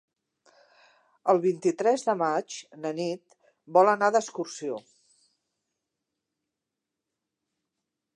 El vint-i-tres de maig na Nit vol anar d'excursió.